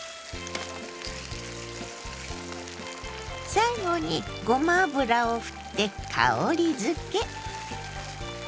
最後にごま油をふって香りづけ。